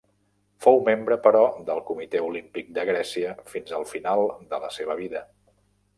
Fou membre, però, del Comitè Olímpic de Grècia fins al final de la seva vida.